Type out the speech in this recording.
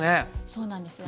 そうなんですよ。